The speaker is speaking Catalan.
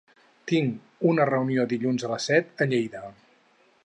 Tinc una reunió dilluns a les set a Lleida.